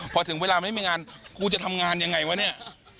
พอถึงเวลาไม่มีงานกูจะทำงานยังไงวะเนี่ย